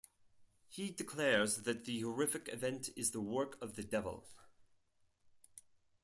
He declares that the horrific event is the work of the devil.